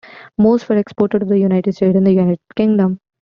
Most were exported to the United States and the United Kingdom.